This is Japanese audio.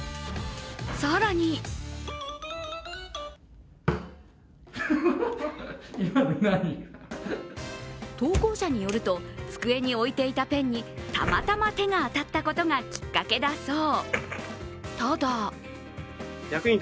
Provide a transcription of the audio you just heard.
更に投稿者によると机に置いていたペンにたまた手が当たったことがきっかけだそう。